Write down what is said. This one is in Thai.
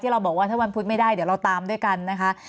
เราบอกว่าถ้าวันพุธไม่ได้เดี๋ยวเราตามด้วยกันนะคะ